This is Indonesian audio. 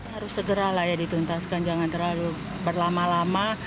harus segera lah ya dituntaskan jangan terlalu berlama lama